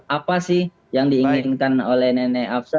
apa sih yang diinginkan oleh nenek afsa